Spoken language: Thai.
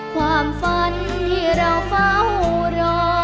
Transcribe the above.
ความฝันที่เราเฝ้ารอ